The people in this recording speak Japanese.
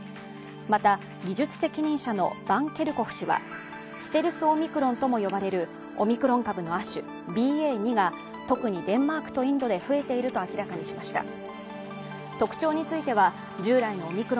また、技術責任者のバンケルコフ氏は、ステルスオミクロンとも呼ばれるオミクロン株の亜種、ＢＡ．２が特にデンマークとインドで増えていると明らかにしました。